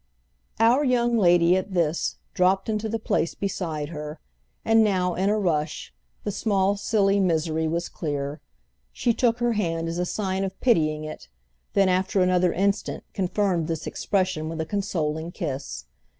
Our young lady, at this, dropped into the place beside her, and now, in a rush, the small silly misery was clear. She took her hand as a sign of pitying it, then, after another instant, confirmed this expression with a consoling kiss.